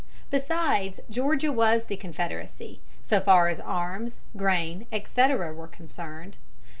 Besides, Georgia was the Confederacy, so far as arms, grain, etc., were concerned.